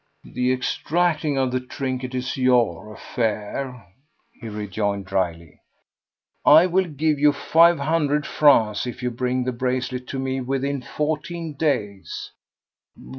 "The extracting of the trinket is your affair," he rejoined dryly. "I will give you five hundred francs if you bring the bracelet to me within fourteen days."